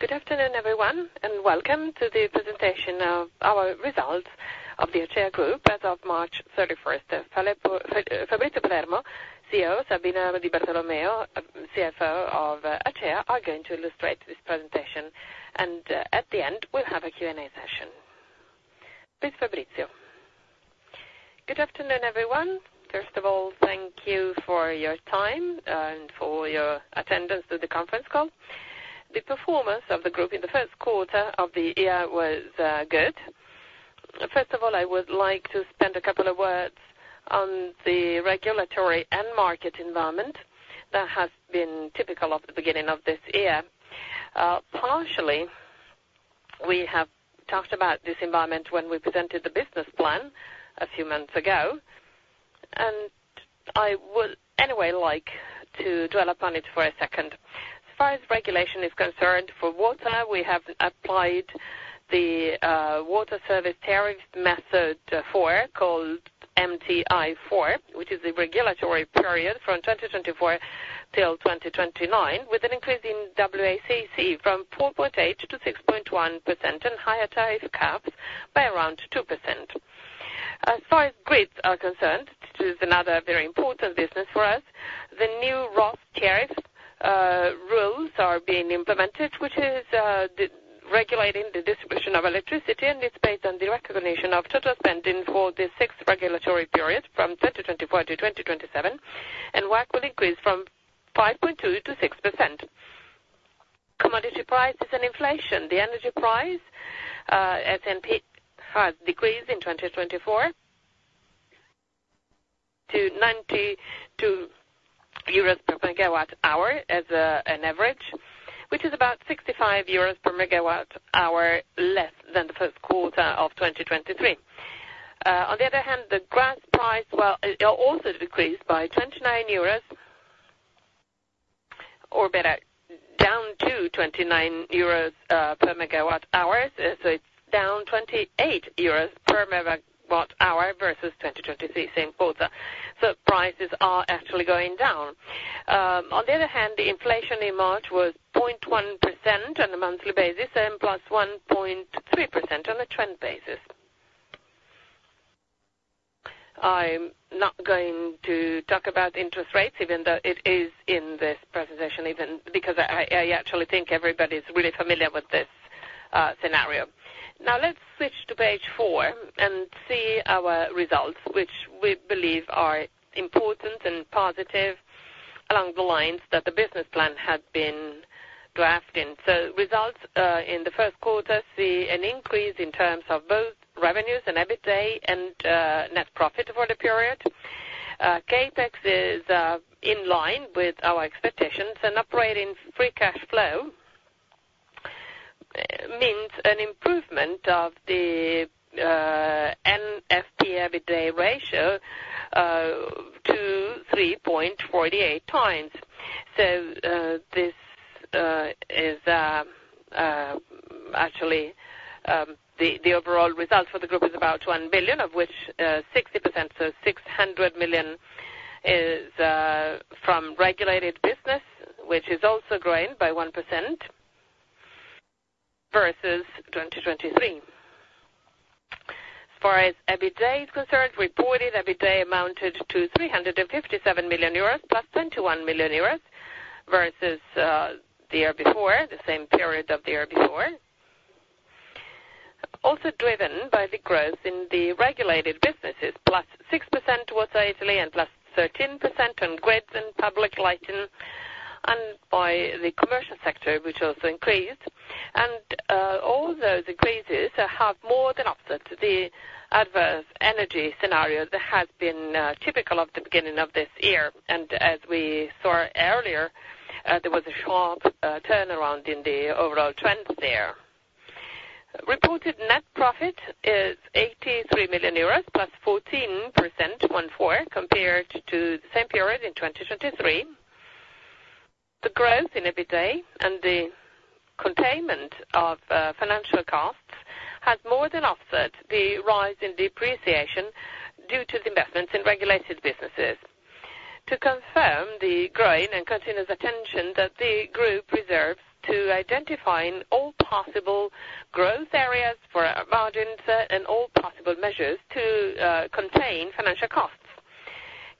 Good afternoon, everyone, and welcome to the presentation of our results of the Acea Group as of March 31st. Fabrizio Palermo, CEO, Stefano Songini, Sabrina Di Bartolomeo, CFO of Acea, are going to illustrate this presentation, and at the end we'll have a Q&A session. Please, Fabrizio. Good afternoon, everyone. First of all, thank you for your time and for your attendance to the conference call. The performance of the group in the Q1 of the year was good. First of all, I would like to spend a couple of words on the regulatory and market environment that has been typical of the beginning of this year. Partially, we have talked about this environment when we presented the business plan a few months ago, and I would anyway like to dwell upon it for a second. As far as regulation is concerned for water, we have applied the water service tariff method 4 called MTI-4, which is the regulatory period from 2024 till 2029, with an increase in WACC from 4.8%-6.1% and higher tariff caps by around 2%. As far as grids are concerned, which is another very important business for us, the new ROSS tariff rules are being implemented, which is regulating the distribution of electricity, and it's based on the recognition of total spending for the sixth regulatory period from 2024 to 2027, and WACC will increase from 5.2%-6%. Commodity prices and inflation. The energy price spot has decreased in 2024 to 92 euros per MWh as an average, which is about 65 euros per MWh less than the Q1 of 2023. On the other hand, the gas price, well, it also decreased by 29 euros, or better, down to 29 euros/MWh, so it's down 28 euros/MWh versus 2023 same quarter. So prices are actually going down. On the other hand, the inflation in March was 0.1% on a monthly basis, and +1.3% on a trend basis. I'm not going to talk about interest rates, even though it is in this presentation, because I actually think everybody's really familiar with this scenario. Now, let's switch to page 4 and see our results, which we believe are important and positive along the lines that the business plan had been drafted. So results in the Q1 see an increase in terms of both revenues and EBITDA and net profit for the period. CapEx is in line with our expectations, and operating free cash flow means an improvement of the NFP EBITDA ratio to 3.48x. So this is actually the overall result for the group is about 1 billion, of which 60%, so 600,000,000 is from regulated business, which is also growing by 1% versus 2023. As far as EBITDA is concerned, reported EBITDA amounted to 357,000,000 euros +21,000,000 euros versus the year before, the same period of the year before. Also driven by the growth in the regulated businesses, +6% toward Italy and +13% on grids and public lighting, and by the commercial sector, which also increased. All those increases have more than offset the adverse energy scenario that has been typical of the beginning of this year, and as we saw earlier, there was a sharp turnaround in the overall trends there. Reported net profit is 83,000,000 euros +14%, +1.4, compared to the same period in 2023. The growth in EBITDA and the containment of financial costs has more than offset the rise in depreciation due to the investments in regulated businesses. To confirm the growing and continuous attention that the group reserves to identifying all possible growth areas for margins and all possible measures to contain financial costs.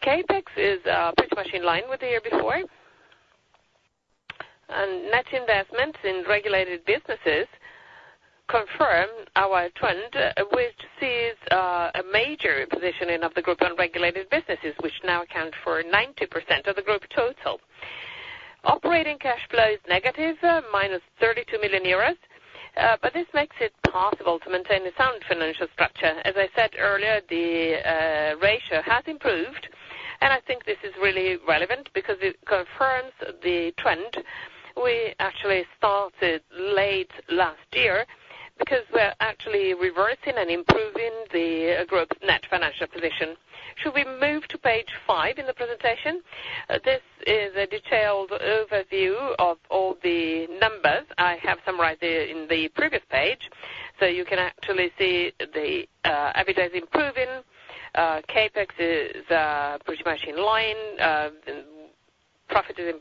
CapEx is pretty much in line with the year before, and net investments in regulated businesses confirm our trend, which sees a major positioning of the group on regulated businesses, which now account for 90% of the group total. Operating cash flow is negative, -32,000,000 euros but this makes it possible to maintain a sound financial structure. As I said earlier, the ratio has improved, and I think this is really relevant because it confirms the trend we actually started late last year because we're actually reversing and improving the group's net financial position. Should we move to page five in the presentation? This is a detailed overview of all the numbers I have summarized in the previous page, so you can actually see the EBITDA is improving, CapEx is pretty much in line, profit is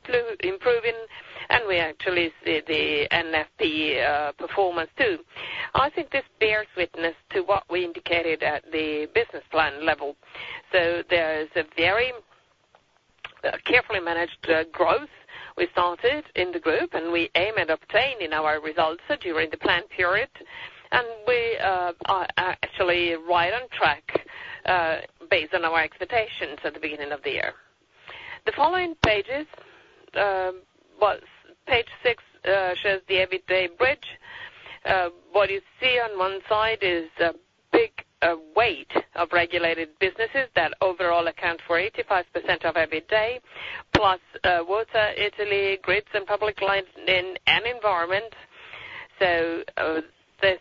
improving, and we actually see the NFP performance too. I think this bears witness to what we indicated at the business plan level. So there's a very carefully managed growth we started in the group, and we aim and obtain in our results during the plan period, and we are actually right on track based on our expectations at the beginning of the year. The following pages, page 6, shows the EBITDA bridge. What you see on one side is a big weight of regulated businesses that overall account for 85% of EBITDA, plus water, Italy, grids, and public lighting and environment. So this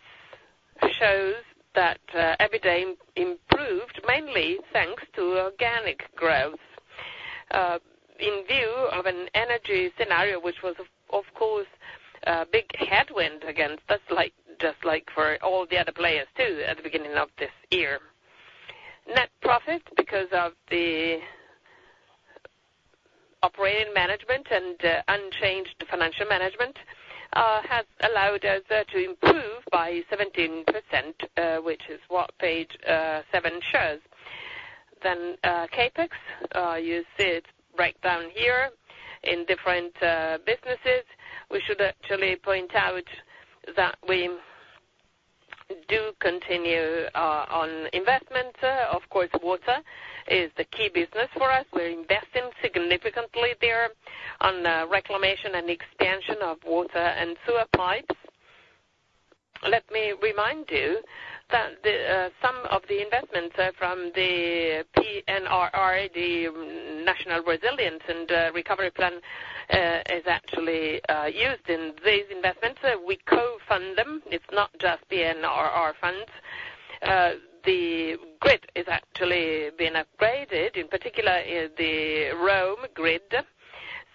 shows that EBITDA improved mainly thanks to organic growth in view of an energy scenario, which was, of course, a big headwind against us, just like for all the other players too at the beginning of this year. Net profit, because of the operating management and unchanged financial management, has allowed us to improve by 17%, which is what page 7 shows. Then CapEx, you see its breakdown here in different businesses. We should actually point out that we do continue on investments. Of course, water is the key business for us. We're investing significantly there on reclamation and expansion of water and sewer pipes. Let me remind you that some of the investments from the PNRR, the National Resilience and Recovery Plan, is actually used in these investments. We co-fund them. It's not just PNRR funds. The grid is actually being upgraded, in particular the Rome grid.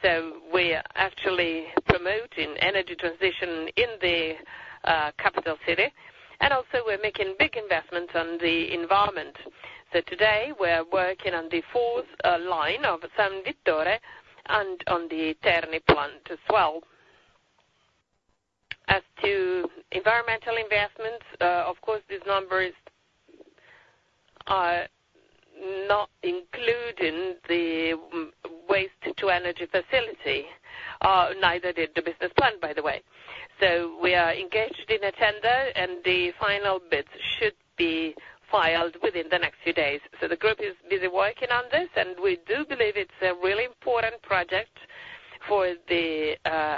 So we're actually promoting energy transition in the capital city, and also we're making big investments on the environment. So today we're working on the fourth line of San Vittore and on the Terni plant as well. As to environmental investments, of course, these numbers are not including the waste-to-energy facility, neither did the business plan, by the way. So we are engaged in a tender, and the final bids should be filed within the next few days. So the group is busy working on this, and we do believe it's a really important project for the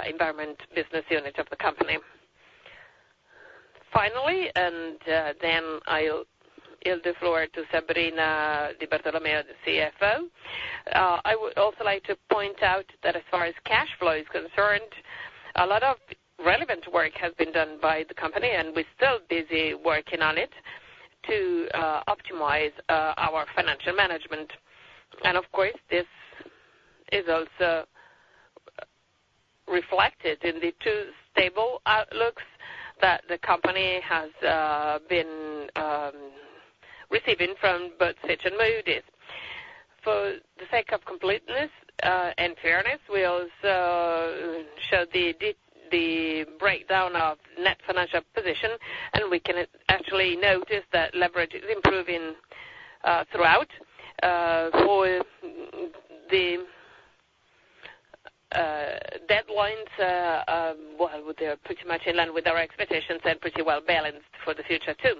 environment business unit of the company. Finally, and then I'll give the floor to Sabrina Di Bartolomeo, the CFO. I would also like to point out that as far as cash flow is concerned, a lot of relevant work has been done by the company, and we're still busy working on it to optimize our financial management. And of course, this is also reflected in the two stable outlooks that the company has been receiving from both Fitch and Moody's. For the sake of completeness and fairness, we also showed the breakdown of net financial position, and we can actually notice that leverage is improving throughout. For the deadlines, well, they're pretty much in line with our expectations and pretty well balanced for the future too.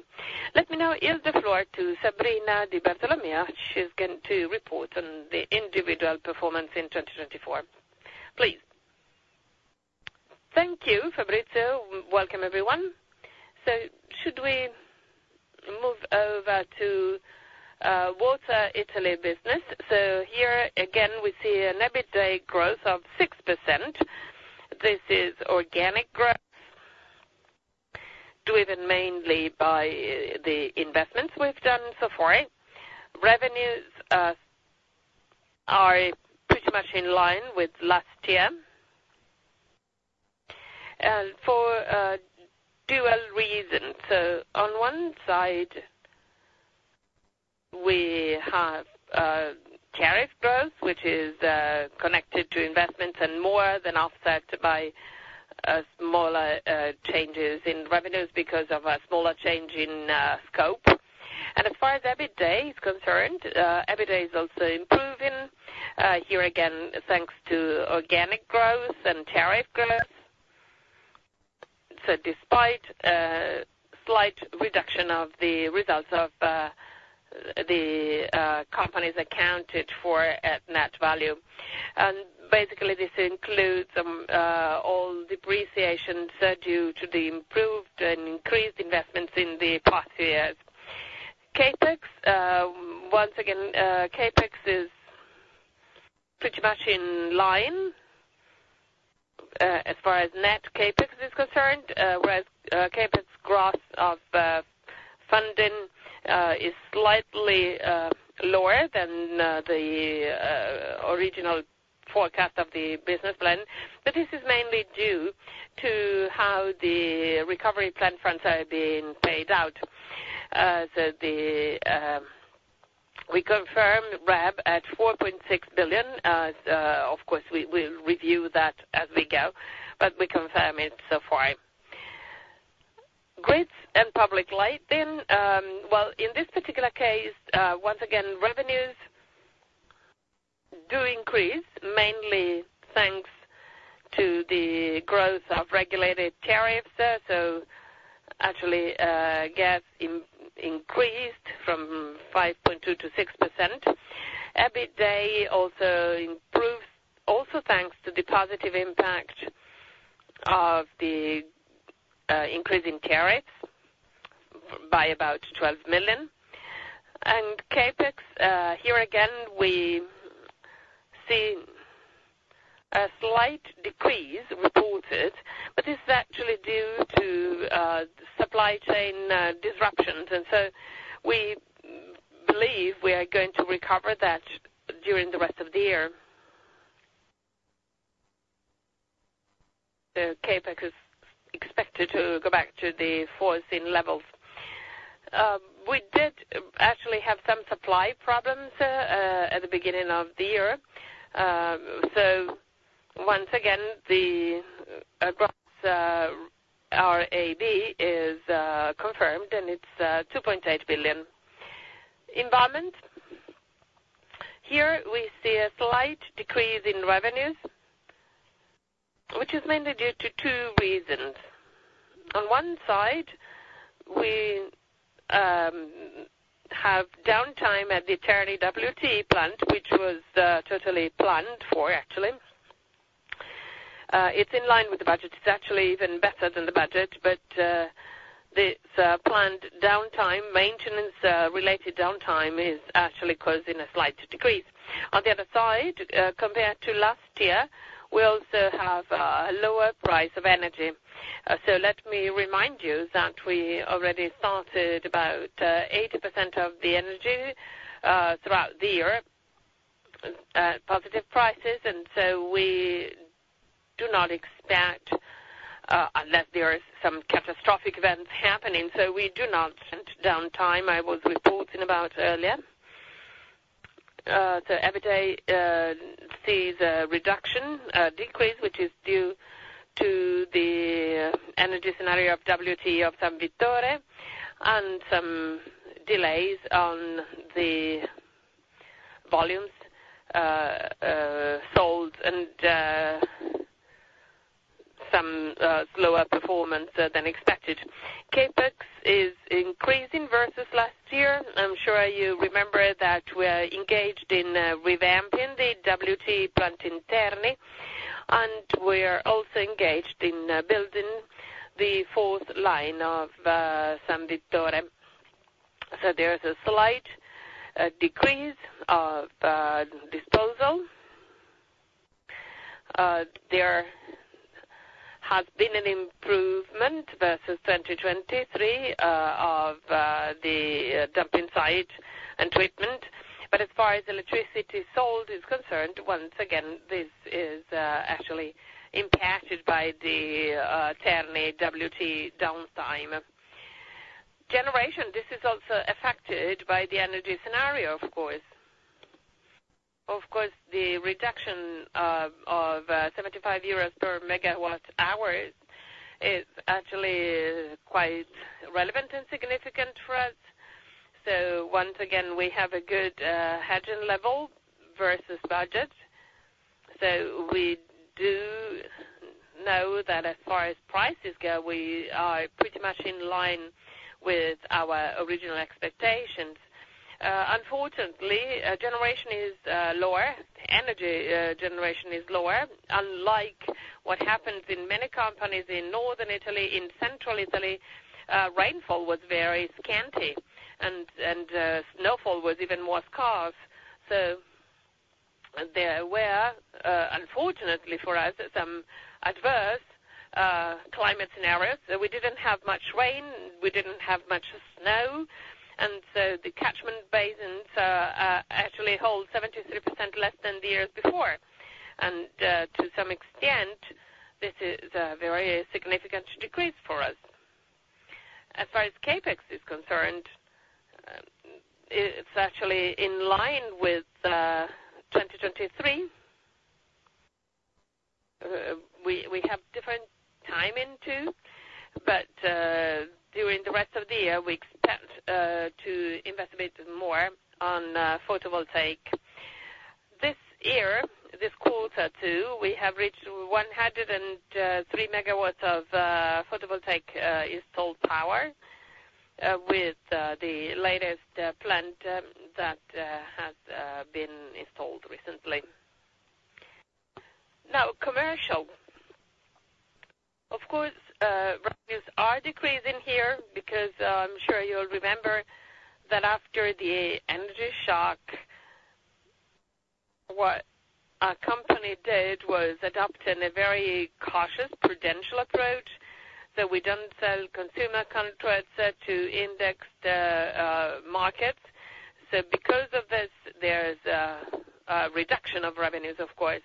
Let me now give the floor to Sabrina Di Bartolomeo. She's going to report on the individual performance in 2024. Please. Thank you, Fabrizio. Welcome, everyone. So should we move over to water, Italy business? So here again, we see an EBITDA growth of 6%. This is organic growth, driven mainly by the investments we've done so far. Revenues are pretty much in line with last year for dual reasons. So on one side, we have tariff growth, which is connected to investments and more than offset by smaller changes in revenues because of a smaller change in scope. And as far as EBITDA is concerned, EBITDA is also improving here again thanks to organic growth and tariff growth. So despite slight reduction of the results of the companies accounted for at net value. And basically, this includes all depreciation due to the improved and increased investments in the past few years. CapEx, once again, CapEx is pretty much in line as far as net CapEx is concerned, whereas CapEx growth of funding is slightly lower than the original forecast of the business plan. But this is mainly due to how the recovery plan funds are being paid out. So we confirm RAB at 4.6 billion. Of course, we'll review that as we go, but we confirm it so far. Grids and public lighting, well, in this particular case, once again, revenues do increase mainly thanks to the growth of regulated tariffs. So actually, gas increased from 5.2%-6%. EBITDA also improves also thanks to the positive impact of the increase in tariffs by about 12,000,000. And CapEx, here again, we see a slight decrease reported, but it's actually due to supply chain disruptions. And so we believe we are going to recover that during the rest of the year. So CapEx is expected to go back to the foreseen levels. We did actually have some supply problems at the beginning of the year. So once again, the gross RAB is confirmed, and it's 2.8 billion. Environment, here we see a slight decrease in revenues, which is mainly due to two reasons. On one side, we have downtime at the Terni WT plant, which was totally planned for, actually. It's in line with the budget. It's actually even better than the budget, but this planned downtime, maintenance-related downtime, is actually causing a slight decrease. On the other side, compared to last year, we also have a lower price of energy. So let me remind you that we already started about 80% of the energy throughout the year at positive prices, and so we do not expect unless there are some catastrophic events happening. So we do not. Downtime I was reporting about earlier. So EBITDA sees a reduction, a decrease, which is due to the energy scenario of WT of San Vittore and some delays on the volumes sold and some slower performance than expected. CapEx is increasing versus last year. I'm sure you remember that we're engaged in revamping the WT plant in Terni, and we're also engaged in building the fourth line of San Vittore. So there's a slight decrease of disposal. There has been an improvement versus 2023 of the dumping site and treatment. But as far as electricity sold is concerned, once again, this is actually impacted by the Terni WT downtime. Generation, this is also affected by the energy scenario, of course. Of course, the reduction of 75 euros per megawatt-hour is actually quite relevant and significant for us. So once again, we have a good hedging level versus budget. So we do know that as far as prices go, we are pretty much in line with our original expectations. Unfortunately, generation is lower. Energy generation is lower, unlike what happens in many companies in Northern Italy. In Central Italy, rainfall was very scanty, and snowfall was even more scarce. So there were, unfortunately for us, some adverse climate scenarios. We didn't have much rain. We didn't have much snow. And so the catchment basins actually hold 73% less than the years before. And to some extent, this is a very significant decrease for us. As far as CapEx is concerned, it's actually in line with 2023. We have different timing too, but during the rest of the year, we expect to investigate more on photovoltaic. This year, this quarter too, we have reached 103 MW of photovoltaic installed power with the latest plant that has been installed recently. Now, commercial. Of course, revenues are decreasing here because I'm sure you'll remember that after the energy shock, what our company did was adopt a very cautious, prudential approach. So we don't sell consumer contracts to indexed markets. So because of this, there's a reduction of revenues, of course.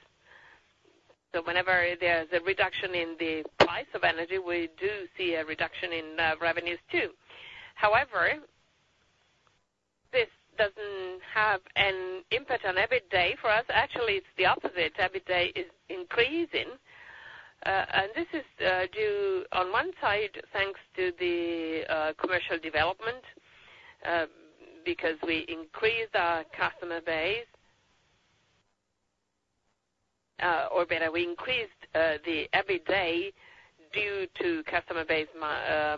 So whenever there's a reduction in the price of energy, we do see a reduction in revenues too. However, this doesn't have an impact on EBITDA for us. Actually, it's the opposite. EBITDA is increasing. And this is due, on one side, thanks to the commercial development because we increased our customer base, or better, we increased the EBITDA due to customer base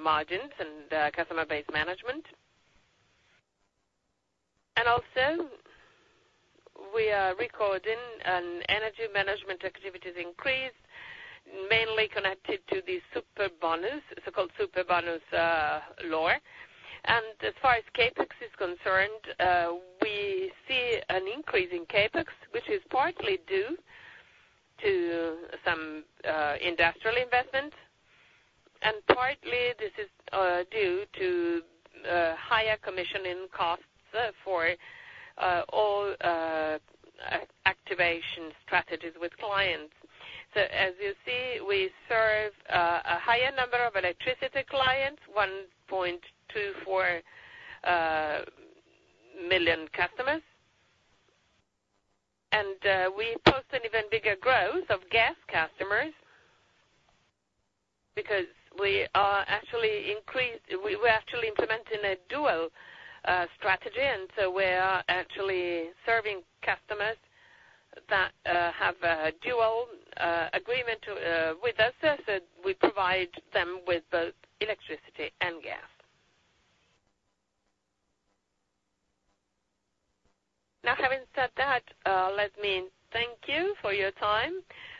margins and customer base management. And also, we are recording an energy management activities increase, mainly connected to the Superbonus, so-called Superbonus lower. As far as CapEx is concerned, we see an increase in CapEx, which is partly due to some industrial investment, and partly this is due to higher commissioning costs for all activation strategies with clients. So as you see, we serve a higher number of electricity clients, 1.24 million customers. And we post an even bigger growth of gas customers because we're actually implementing a dual strategy, and so we are actually serving customers that have a dual agreement with us. So we provide them with both electricity and gas. Now, having said that, let me thank you for your time.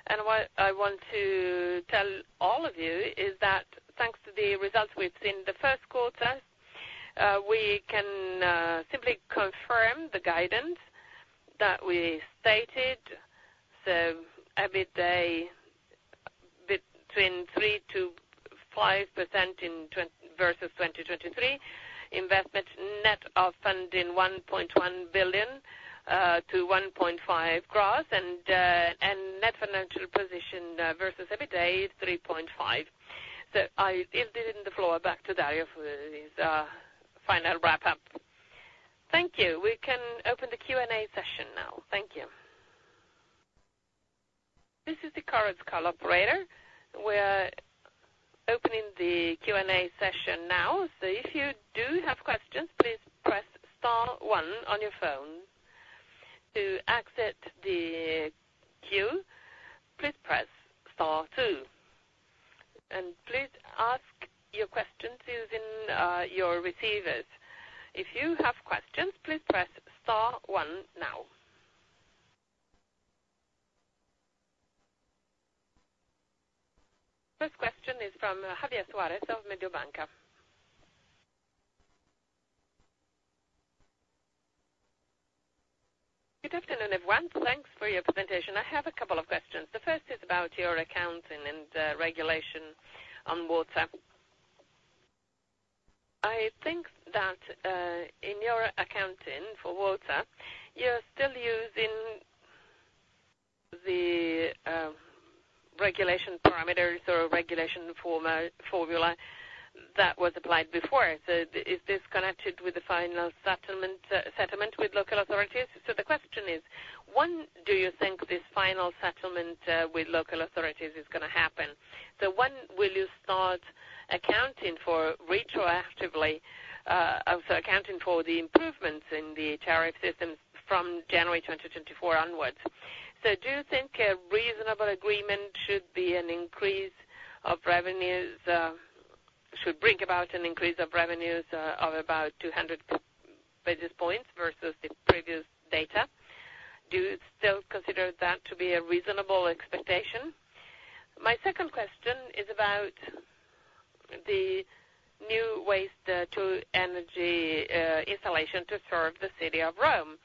And what I want to tell all of you is that thanks to the results we've seen in the Q1, we can simply confirm the guidance that we stated. So EBITDA between 3%-5% versus 2023, investment net of funding 1.1 billion-1.5 billion gross, and net financial position versus EBITDA is 3.5. So I'll give the floor back to Dario for his final wrap-up. Thank you. We can open the Q&A session now. Thank you. This is the current call operator. We're opening the Q&A session now. So if you do have questions, please press star one on your phone. To exit the queue, please press star two. And please ask your questions using your receivers. If you have questions, please press star one now. First question is from Javier Suárez of Mediobanca. Good afternoon, everyone. Thanks for your presentation. I have a couple of questions. The first is about your accounting and regulation on water. I think that in your accounting for water, you're still using the regulation parameters or regulation formula that was applied before. So is this connected with the final settlement with local authorities? So the question is, when do you think this final settlement with local authorities is going to happen? So when will you start accounting for retroactively, so accounting for the improvements in the tariff systems from January 2024 onwards? So do you think a reasonable agreement should be an increase of revenues, should bring about an increase of revenues of about 200 basis points versus the previous data? Do you still consider that to be a reasonable expectation? My second question is about the new waste-to-energy installation to serve the city of Rome.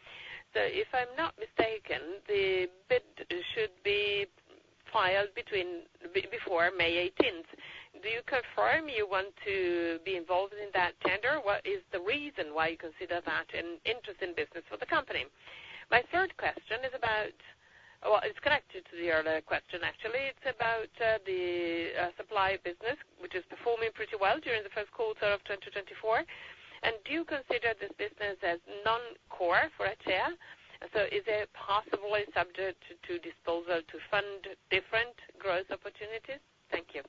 So if I'm not mistaken, the bid should be filed before May 18th. Do you confirm you want to be involved in that tender? What is the reason why you consider that an interesting business for the company? My third question is about well, it's connected to the earlier question, actually. It's about the supply business, which is performing pretty well during the Q1 of 2024. And do you consider this business as non-core for ACEA? So is it possibly subject to disposal to fund different growth opportunities? Thank you.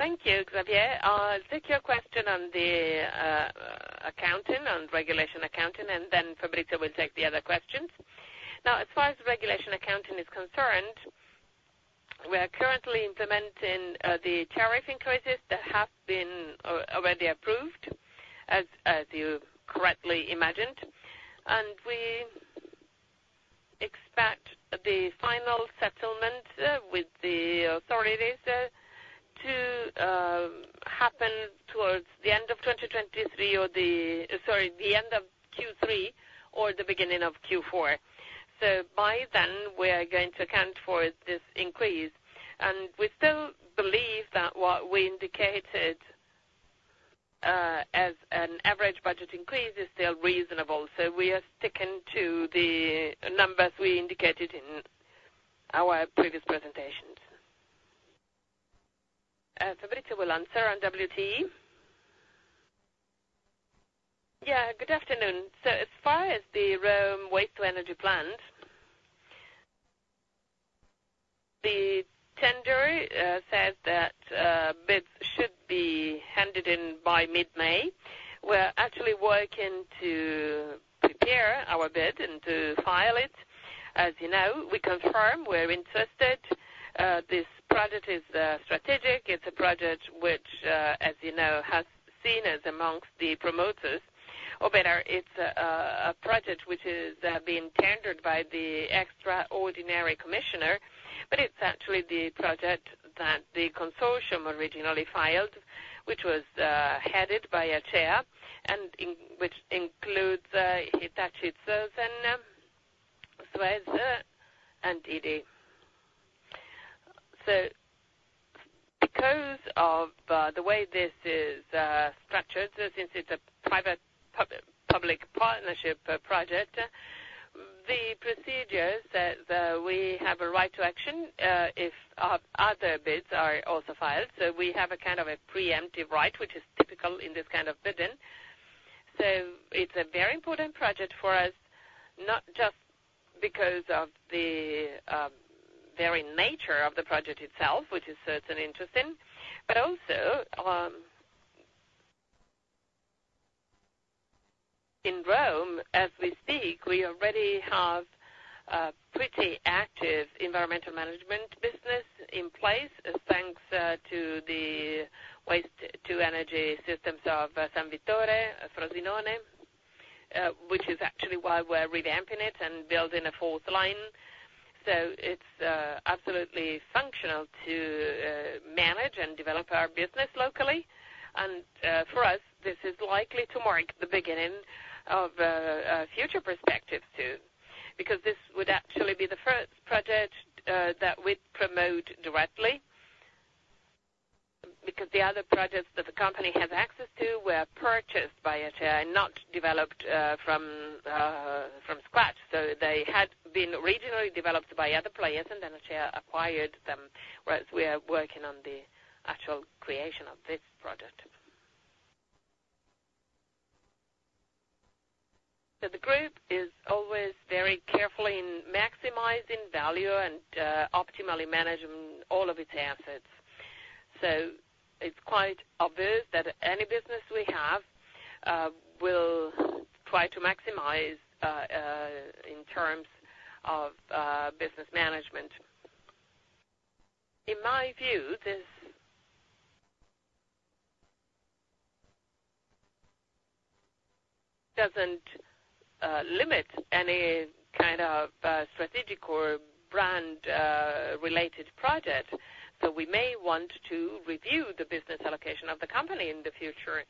Thank you, Javier. I'll take your question on the accounting and regulation accounting, and then Fabrizio will take the other questions. Now, as far as regulation accounting is concerned, we are currently implementing the tariff increases that have been already approved, as you correctly imagined. And we expect the final settlement with the authorities to happen towards the end of 2023 or the end of Q3 or the beginning of Q4. So by then, we are going to account for this increase. We still believe that what we indicated as an average budget increase is still reasonable. So we are sticking to the numbers we indicated in our previous presentations. Fabrizio will answer on WtE. Yeah, good afternoon. So as far as the Rome waste-to-energy plant, the tender says that bids should be handed in by mid-May. We're actually working to prepare our bid and to file it. As you know, we confirm we're interested. This project is strategic. It's a project which, as you know, has seen us amongst the promoters. Or better, it's a project which has been tendered by the extraordinary commissioner, but it's actually the project that the consortium originally filed, which was headed by Acea and which includes Hitachi Zosen, Suez, and ED. So because of the way this is structured, since it's a private-public partnership project, the procedure says we have a right to action if other bids are also filed. So we have a kind of a preemptive right, which is typical in this kind of bidding. So it's a very important project for us, not just because of the very nature of the project itself, which is certainly interesting, but also in Rome, as we speak, we already have a pretty active environmental management business in place thanks to the waste-to-energy systems of San Vittore, Frosinone, which is actually why we're revamping it and building a fourth line. So it's absolutely functional to manage and develop our business locally. For us, this is likely to mark the beginning of future perspectives too because this would actually be the first project that we'd promote directly because the other projects that the company has access to were purchased by ACEA and not developed from scratch. They had been originally developed by other players, and then ACEA acquired them, whereas we are working on the actual creation of this project. The group is always very careful in maximizing value and optimally managing all of its assets. It's quite obvious that any business we have will try to maximize in terms of business management. In my view, this doesn't limit any kind of strategic or brand-related project. We may want to review the business allocation of the company in the future.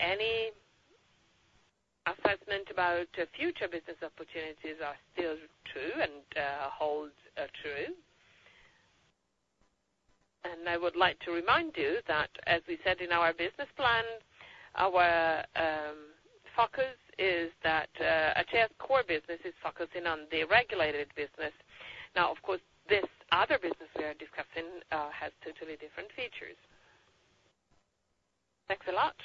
Any assessment about future business opportunities are still true and hold true. I would like to remind you that, as we said in our business plan, our focus is that Acea's core business is focusing on the regulated business. Now, of course, this other business we are discussing has totally different features. Thanks a lot.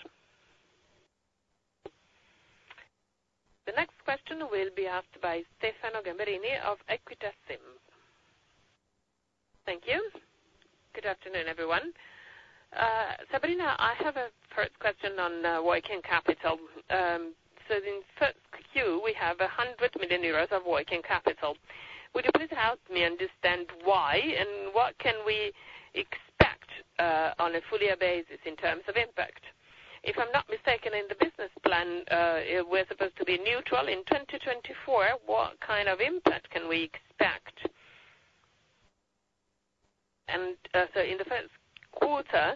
The next question will be asked by Stefano Gamberini of Equita SIM. Thank you. Good afternoon, everyone. Sabrina, I have a first question on working capital. So in first Q, we have 100,000,000 euros of working capital. Would you please help me understand why, and what can we expect on a fuller basis in terms of impact? If I'm not mistaken, in the business plan, we're supposed to be neutral. In 2024, what kind of impact can we expect? And so in the Q1,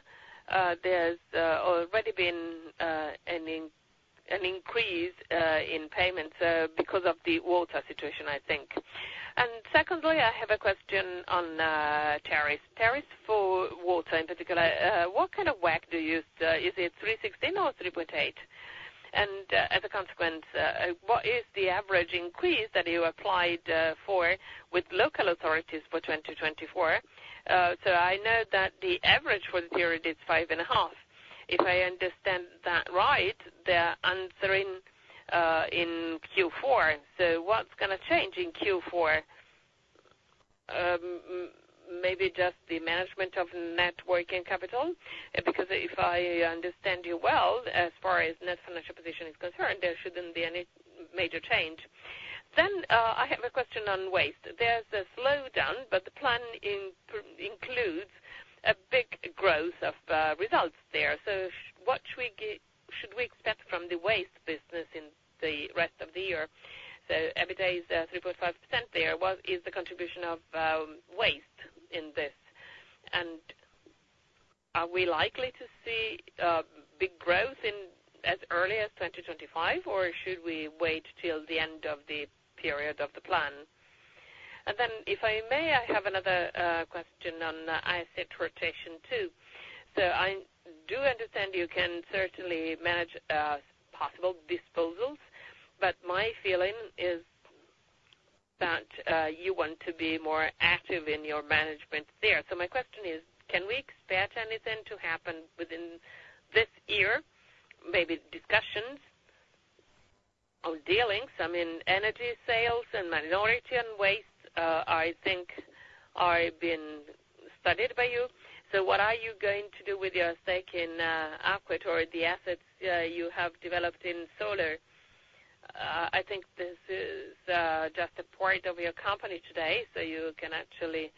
there's already been an increase in payments because of the water situation, I think. Secondly, I have a question on tariffs. Tariffs for water in particular, what kind of WACC do you use? Is it 3.16 or 3.8%? And as a consequence, what is the average increase that you applied for with local authorities for 2024? So I know that the average for the period is 5.5%. If I understand that right, they're answering in Q4. So what's going to change in Q4? Maybe just the management of net working capital because if I understand you well, as far as net financial position is concerned, there shouldn't be any major change. Then I have a question on waste. There's a slowdown, but the plan includes a big growth of results there. So what should we expect from the waste business in the rest of the year? So EBITDA is 3.5% there. What is the contribution of waste in this? Are we likely to see big growth as early as 2025, or should we wait till the end of the period of the plan? And then, if I may, I have another question on asset rotation too. So I do understand you can certainly manage possible disposals, but my feeling is that you want to be more active in your management there. So my question is, can we expect anything to happen within this year? Maybe discussions on dealings. I mean, energy sales and minority on waste, I think, are being studied by you. So what are you going to do with your stake in Acque, the assets you have developed in solar? I think this is just a part of your company today, so you can actually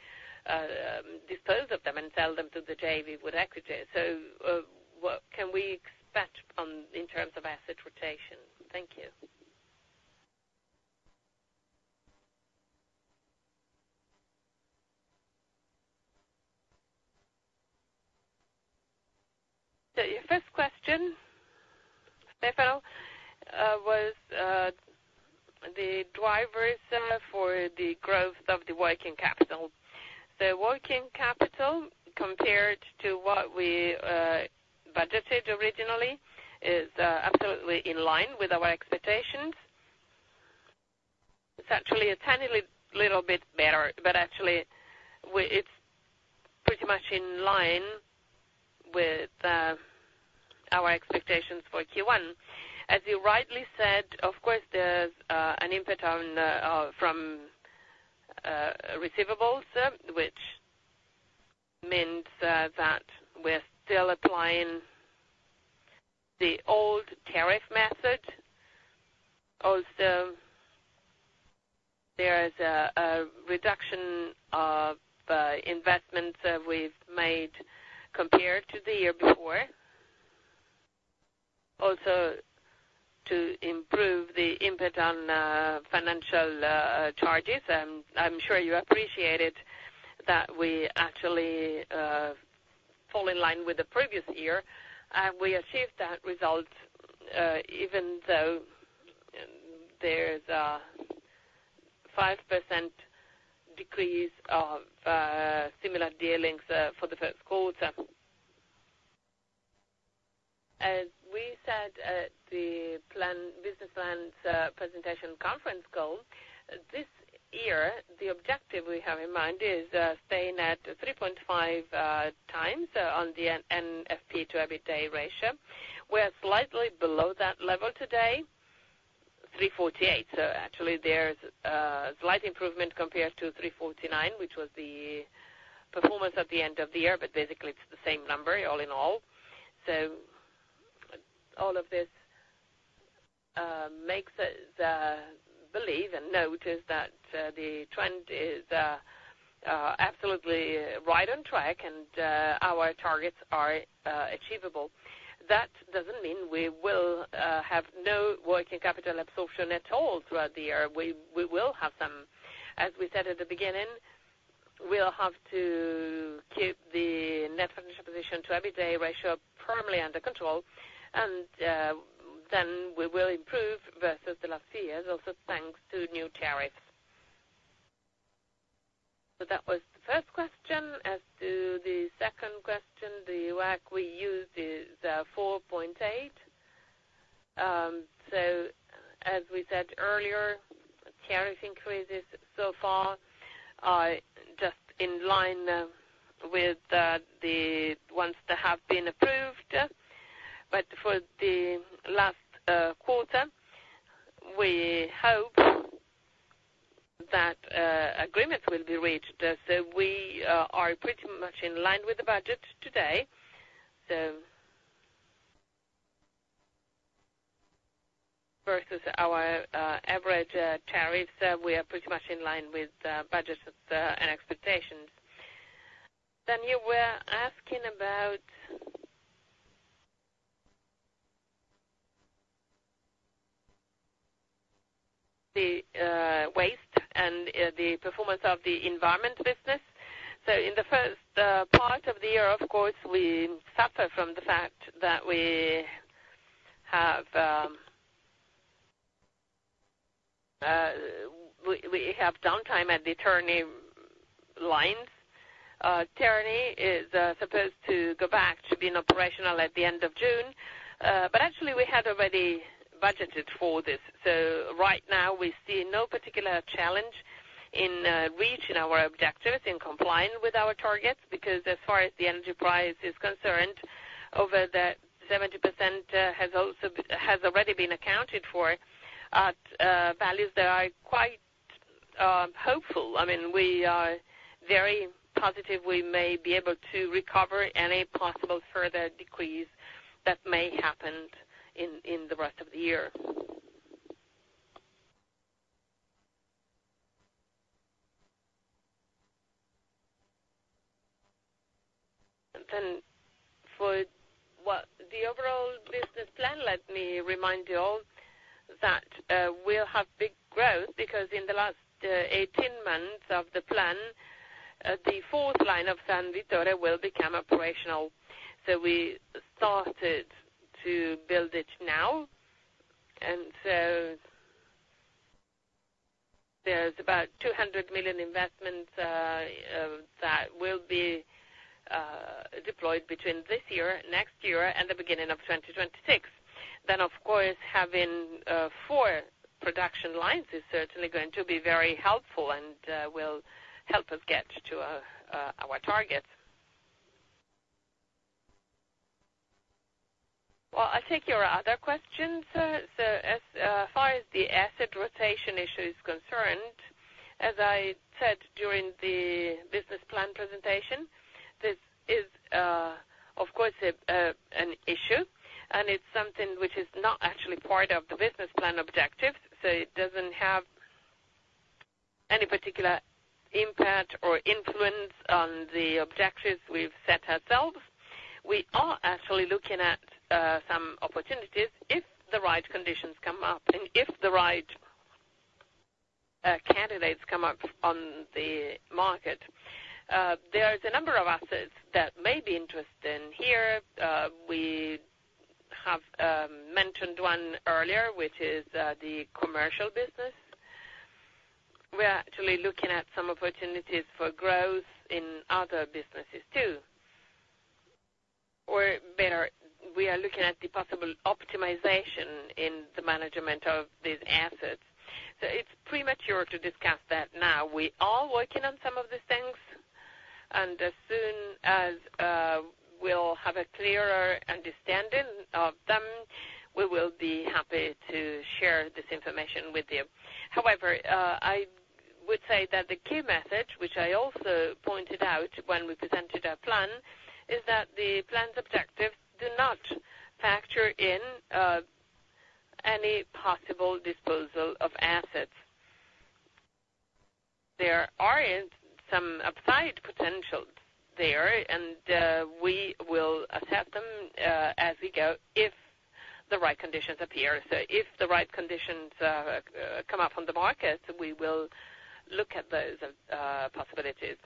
dispose of them and sell them to the JV with Equita. So what can we expect in terms of asset rotation? Thank you. So your first question, Stefano, was the drivers for the growth of the working capital. So working capital, compared to what we budgeted originally, is absolutely in line with our expectations. It's actually a tiny little bit better, but actually, it's pretty much in line with our expectations for Q1. As you rightly said, of course, there's an impact from receivables, which means that we're still applying the old tariff method. Also, there is a reduction of investments we've made compared to the year before, also to improve the impact on financial charges. I'm sure you appreciate it that we actually fall in line with the previous year. And we achieved that result even though there's a 5% decrease of similar dealings for the Q1. As we said at the business plan presentation conference call, this year, the objective we have in mind is staying at 3.5 times on the NFP to EBITDA ratio. We're slightly below that level today, 3.48. So actually, there's a slight improvement compared to 3.49, which was the performance at the end of the year, but basically, it's the same number all in all. So all of this makes us believe and notice that the trend is absolutely right on track and our targets are achievable. That doesn't mean we will have no working capital absorption at all throughout the year. We will have some. As we said at the beginning, we'll have to keep the net financial position to EBITDA ratio firmly under control, and then we will improve versus the last few years, also thanks to new tariffs. So that was the first question. As to the second question, the WACC we use is 4.8. So as we said earlier, tariff increases so far are just in line with the ones that have been approved. But for the last quarter, we hope that agreements will be reached. So we are pretty much in line with the budget today. So versus our average tariffs, we are pretty much in line with budgets and expectations. Then you were asking about the waste and the performance of the environment business. So in the first part of the year, of course, we suffer from the fact that we have downtime at the Terni lines. Terni is supposed to go back to being operational at the end of June. But actually, we had already budgeted for this. So right now, we see no particular challenge in reaching our objectives, in complying with our targets because as far as the energy price is concerned, over that 70% has already been accounted for at values that are quite hopeful. I mean, we are very positive we may be able to recover any possible further decrease that may happen in the rest of the year. Then for the overall business plan, let me remind you all that we'll have big growth because in the last 18 months of the plan, the fourth line of San Vittore will become operational. So we started to build it now. And so there's about 200,000,000 investments that will be deployed between this year, next year, and the beginning of 2026. Then, of course, having four production lines is certainly going to be very helpful and will help us get to our targets. Well, I'll take your other questions. So as far as the asset rotation issue is concerned, as I said during the business plan presentation, this is, of course, an issue, and it's something which is not actually part of the business plan objectives. So it doesn't have any particular impact or influence on the objectives we've set ourselves. We are actually looking at some opportunities if the right conditions come up and if the right candidates come up on the market. There's a number of assets that may be interesting here. We have mentioned one earlier, which is the commercial business. We're actually looking at some opportunities for growth in other businesses too. Or better, we are looking at the possible optimization in the management of these assets. So it's premature to discuss that now. We are working on some of these things. And as soon as we'll have a clearer understanding of them, we will be happy to share this information with you. However, I would say that the key message, which I also pointed out when we presented our plan, is that the plan's objectives do not factor in any possible disposal of assets. There are some upside potentials there, and we will assess them as we go if the right conditions appear. So if the right conditions come up on the market, we will look at those possibilities.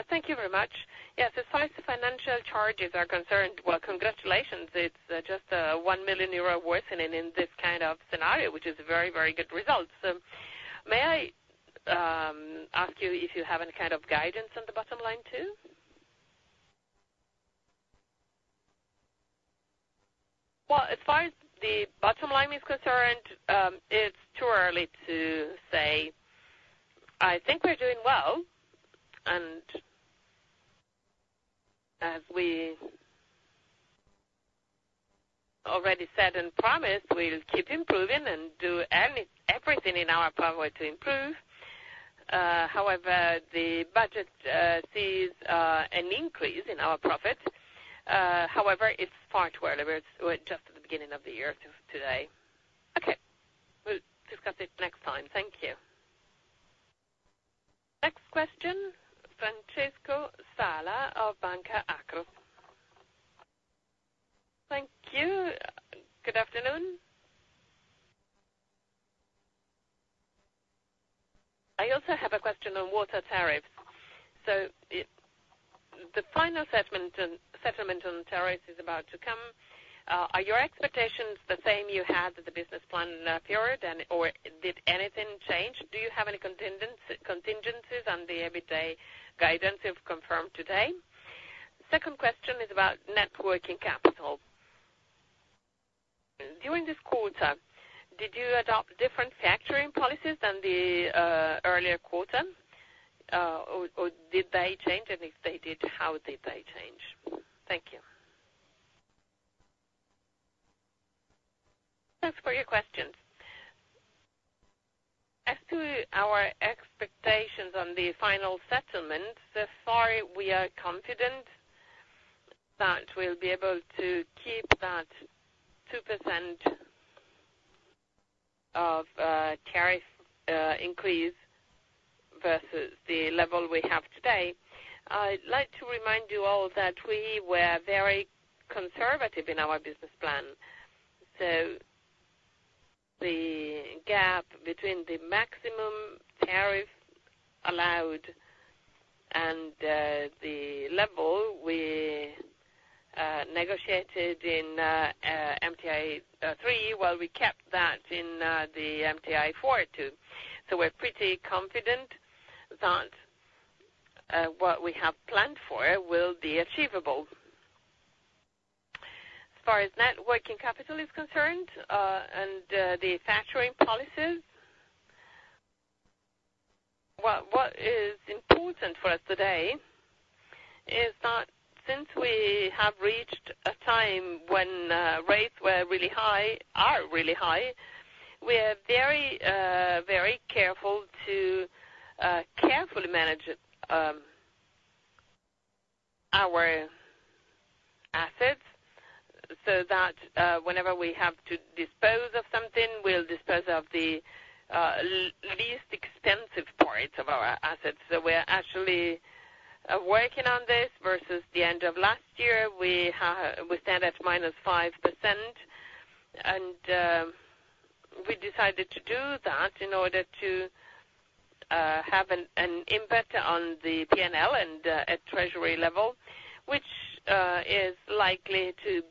Well, thank you very much. Yes, as far as the financial charges are concerned, well, congratulations. It's just a 1 ,000,000 worsening in this kind of scenario, which is a very, very good result. So may I ask you if you have any kind of guidance on the bottom line too? Well, as far as the bottom line is concerned, it's too early to say. I think we're doing well. And as we already said and promised, we'll keep improving and do everything in our power to improve. However, the budget sees an increase in our profit. However, it's part where we're just at the beginning of the year today. Okay. We'll discuss it next time. Thank you. Next question, Francesco Sala of Banca Akros. Thank you. Good afternoon. I also have a question on water tariffs. So the final settlement on tariffs is about to come. Are your expectations the same you had with the business plan period, or did anything change? Do you have any contingencies on the EBITDA guidance you've confirmed today? Second question is about net working capital. During this quarter, did you adopt different factoring policies than the earlier quarter, or did they change? And if they did, how did they change? Thank you. Thanks for your questions. As to our expectations on the final settlement, so far, we are confident that we'll be able to keep that 2% of tariff increase versus the level we have today. I'd like to remind you all that we were very conservative in our business plan. So the gap between the maximum tariff allowed and the level we negotiated in MTI 3, well, we kept that in the MTI 4 too. So we're pretty confident that what we have planned for will be achievable. As far as net working capital is concerned and the factoring policies, what is important for us today is that since we have reached a time when rates were really high, are really high, we are very, very careful to carefully manage our assets so that whenever we have to dispose of something, we'll dispose of the least expensive parts of our assets. So we're actually working on this versus the end of last year, we stand at -5%. And we decided to do that in order to have an impact on the P&L and at treasury level, which is likely to be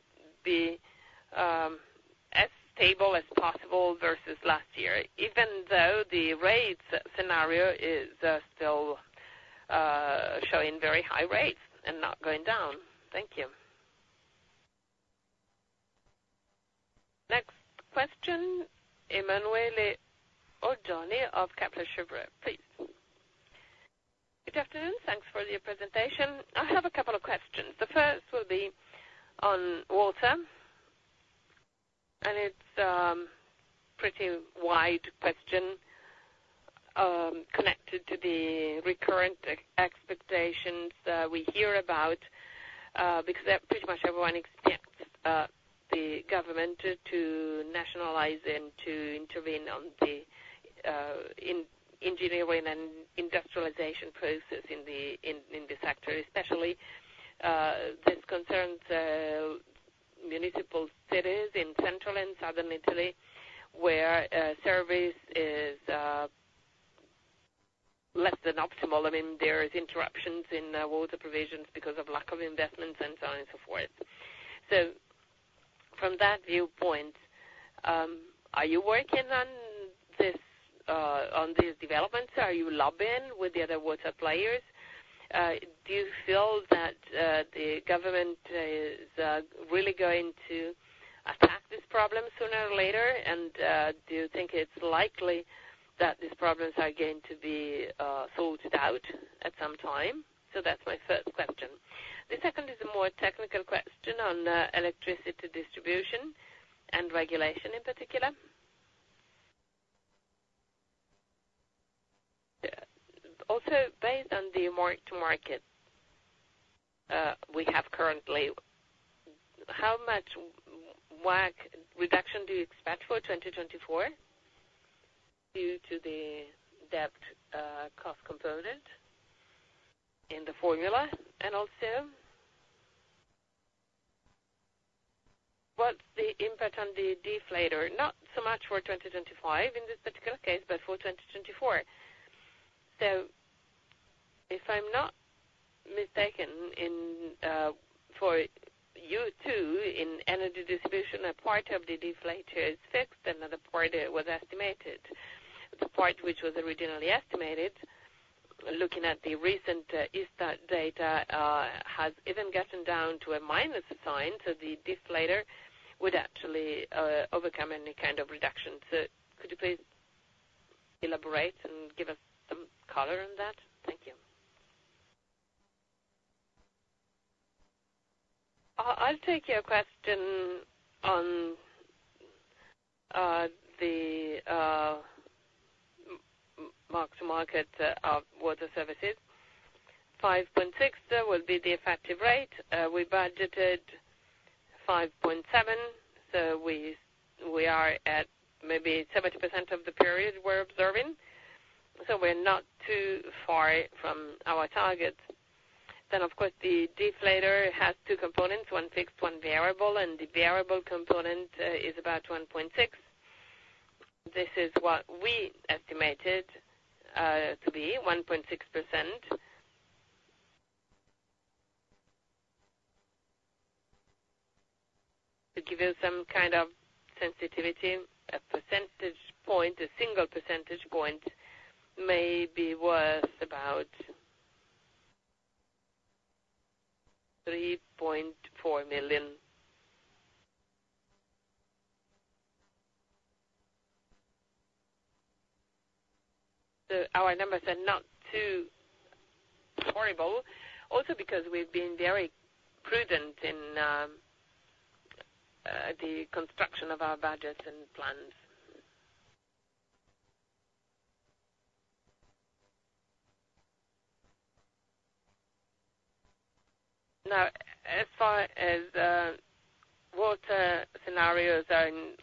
as stable as possible versus last year, even though the rates scenario is still showing very high rates and not going down. Thank you. Next question, Emanuele Oggioni of Kepler Cheuvreux, please. Good afternoon. Thanks for your presentation. I have a couple of questions. The first will be on water. wide question connected to the recurrent expectations we hear about because pretty much everyone expects the government to nationalize and to intervene on the engineering and industrialization process in the sector, especially this concerns municipal cities in Central and Southern Italy where service is less than optimal. I mean, there are interruptions in water provisions because of lack of investments and so on and so forth. So from that viewpoint, are you working on these developments? Are you lobbying with the other water players? Do you feel that the government is really going to attack this problem sooner or later? And do you think it's likely that these problems are going to be sorted out at some time? So that's my first question. The second is a more technical question on electricity distribution and regulation in particular. Also, based on the mark-to-market we have currently, how much WACC reduction do you expect for 2024 due to the debt cost component in the formula? And also, what's the impact on the deflator? Not so much for 2025 in this particular case, but for 2024. So if I'm not mistaken, for you two, in energy distribution, a part of the deflator is fixed and another part was estimated. The part which was originally estimated, looking at the recent ESTAT data, has even gotten down to a minus sign. So the deflator would actually overcome any kind of reduction. So could you please elaborate and give us some color on that? Thank you. I'll take your question on the mark-to-market of water services. 5.6 will be the effective rate. We budgeted 5.7. So we are at maybe 70% of the period we're observing. So we're not too far from our targets. Then, of course, the deflator has two components, one fixed, one variable. And the variable component is about 1.6. This is what we estimated to be, 1.6%. To give you some kind of sensitivity, a percentage point, a single percentage point may be worth about EUR 3.4. So our numbers are not too horrible also because we've been very prudent in the construction of our budgets and plans. Now, as far as water scenarios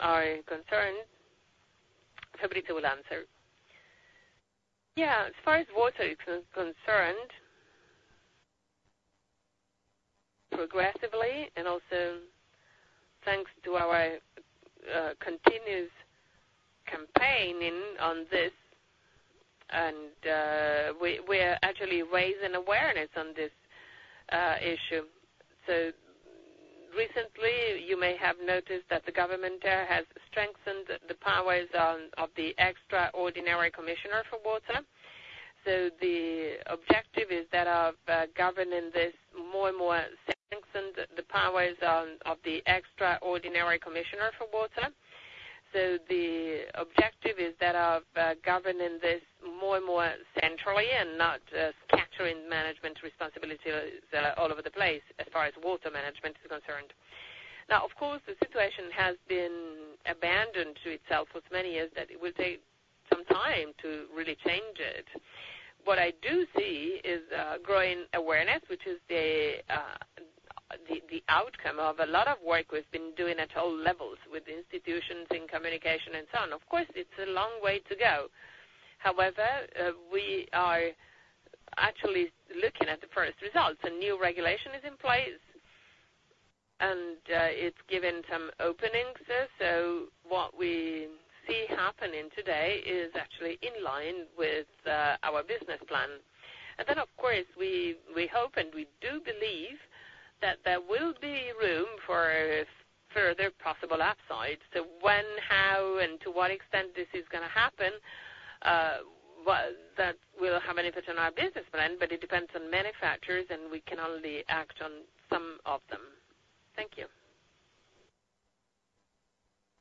are concerned, Fabrizio will answer. Yeah, as far as water is concerned, progressively, and also thanks to our continuous campaigning on this, and we're actually raising awareness on this issue. So recently, you may have noticed that the government has strengthened the powers of the extraordinary commissioner for water. So the objective is that of governing this more and more, strengthened the powers of the extraordinary commissioner for water. So the objective is that of governing this more and more centrally and not scattering management responsibilities all over the place as far as water management is concerned. Now, of course, the situation has been abandoned to itself for so many years that it will take some time to really change it. What I do see is growing awareness, which is the outcome of a lot of work we've been doing at all levels with institutions in communication and so on. Of course, it's a long way to go. However, we are actually looking at the first results. A new regulation is in place, and it's given some openings. So what we see happening today is actually in line with our business plan. And then, of course, we hope and we do believe that there will be room for further possible upside. So when, how, and to what extent this is going to happen, that will have an impact on our business plan, but it depends on many factors, and we can only act on some of them. Thank you.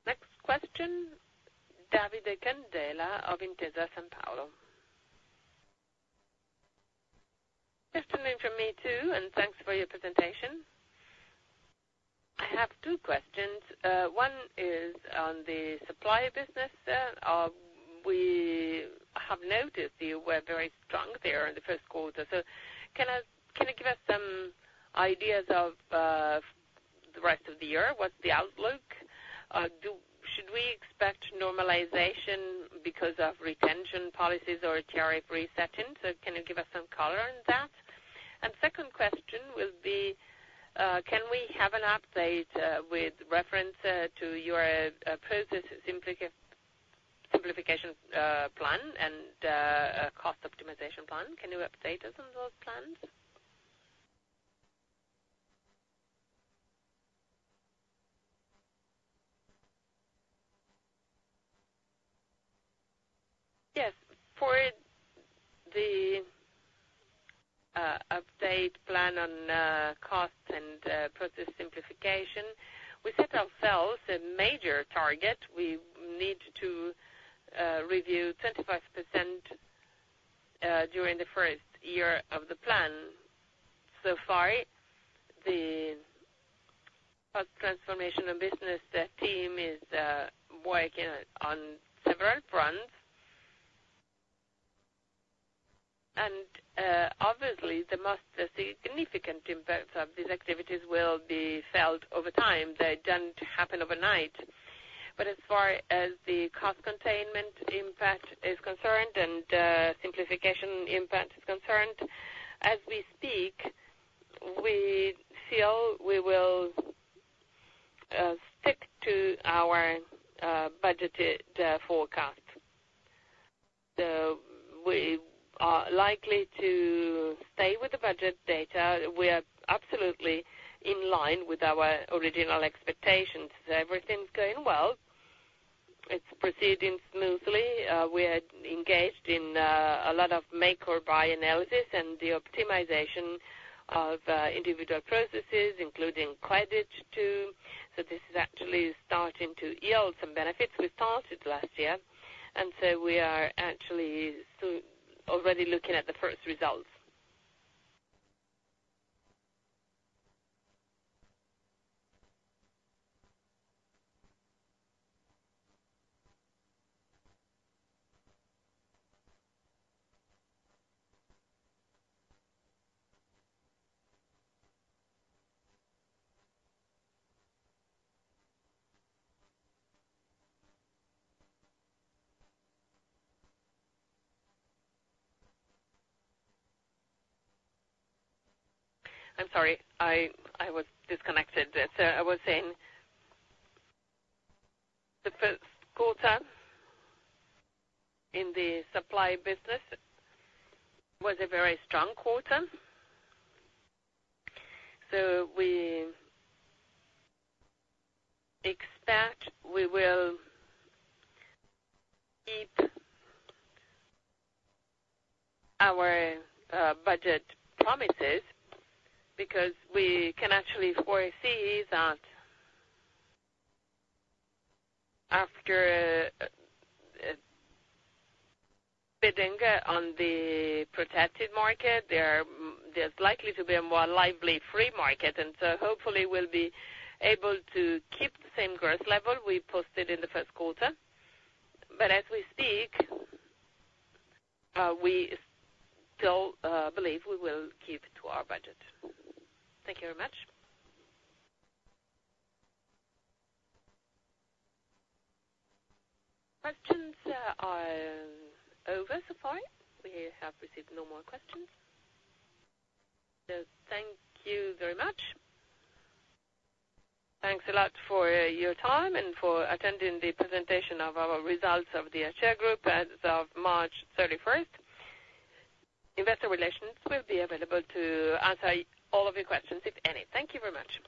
Next question, Davide Candela of Intesa Sanpaolo. Good afternoon from me too, and thanks for your presentation. I have two questions. One is on the supply business. We have noticed you were very strong there in the Q1. So can you give us some ideas of the rest of the year? What's the outlook? Should we expect normalization because of retention policies or a tariff resetting? So can you give us some color on that? Second question will be, can we have an update with reference to your process simplification plan and cost optimization plan? Can you update us on those plans? Yes. For the update plan on costs and process simplification, we set ourselves a major target. We need to review 25% during the first year of the plan. So far, the cost transformation and business team is working on several fronts. And obviously, the most significant impacts of these activities will be felt over time. They don't happen overnight. But as far as the cost containment impact is concerned and simplification impact is concerned, as we speak, we feel we will stick to our budgeted forecast. So we are likely to stay with the budget data. We are absolutely in line with our original expectations. So everything's going well. It's proceeding smoothly. We are engaged in a lot of make-or-buy analysis and the optimization of individual processes, including credit too. So this is actually starting to yield some benefits. We started last year. And so we are actually already looking at the first results. I'm sorry. I was disconnected. So I was saying the Q1 in the supply business was a very strong quarter. So we expect we will keep our budget promises because we can actually foresee that after bidding on the protected market, there's likely to be a more lively free market. And so hopefully, we'll be able to keep the same growth level we posted in the Q1. But as we speak, we still believe we will keep to our budget. Thank you very much. Questions are over so far. We have received no more questions. So thank you very much. Thanks a lot for your time and for attending the presentation of our results of the Acea Group as of March 31st. Investor relations will be available to answer all of your questions, if any. Thank you very much.